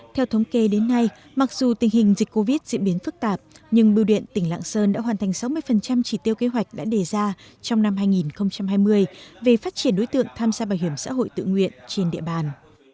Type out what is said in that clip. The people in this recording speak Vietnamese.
theo thống kê đến nay mặc dù tình hình dịch covid diễn biến phức tạp nhưng bưu điện tỉnh lạng sơn đã hoàn thành sáu mươi chỉ tiêu kế hoạch đã đề ra trong năm hai nghìn hai mươi về phát triển đối tượng tham gia bảo hiểm xã hội tự nguyện trên địa bàn